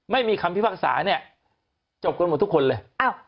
ไม่มีคำพิพากษาเนี่ยจบกันหมดทุกคนเลย